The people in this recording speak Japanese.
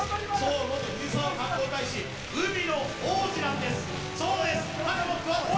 元藤沢観光大使、海の王子なんです、そうです！